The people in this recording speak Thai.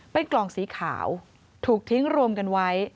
เป็นกล่องสีขาวถูกทิ้งรวมกันไว้